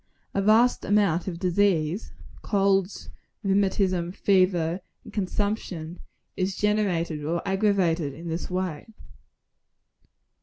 A vast amount of disease colds, rheumatism, fever and consumption is generated or aggravated in this way.